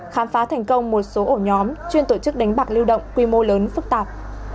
khám phá thành công một số ổ nhóm chuyên tổ chức đánh bạc lưu động quy mô lớn phức tạp